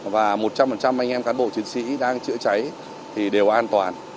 và một trăm linh anh em cán bộ chiến sĩ đang chữa cháy thì đều an toàn